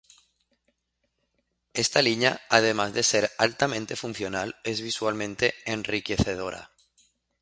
Esta línea además de ser altamente funcional es visualmente enriquecedora.